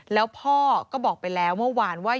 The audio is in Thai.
แล้วพ่อก็บอกไปแล้วเมื่อวานว่า